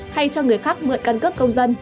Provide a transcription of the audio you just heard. hay cho người khác mượn cân cướp công dân